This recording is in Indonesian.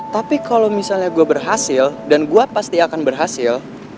tapi kalau misalnya gue berhasil dan gue pasti akan berhasil